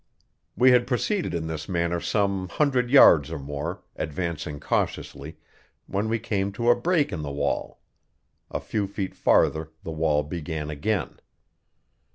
We had proceeded in this manner some hundred yards or more, advancing cautiously, when we came to a break in the wall. A few feet farther the wall began again.